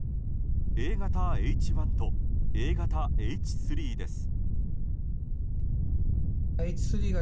Ａ型Ｈ１とＡ型Ｈ３です。